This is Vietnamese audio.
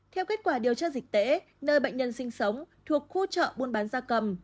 theo kết quả điều tra dịch tễ nơi bệnh nhân sinh sống thuộc khu chợ buôn bán da cầm